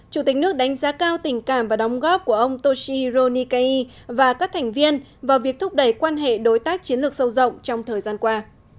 chủ tịch nước đánh giá cao tình cảm và đóng góp của ông toshi ro nikai và các thành viên vào việc thúc đẩy quan hệ đối tác chiến lược sâu rộng trong thời gian qua